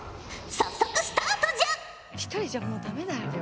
早速スタートじゃ！